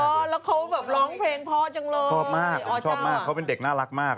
แล้วเขาแบบร้องเพลงพ่อจังเลยชอบมากออสชอบมากเขาเป็นเด็กน่ารักมาก